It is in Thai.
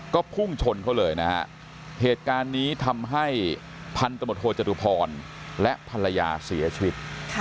ก็พุ่งชนเขาเลยนะฮะเหตุการณ์นี้ทำให้พันธมตโทจตุพรและภรรยาเสียชีวิต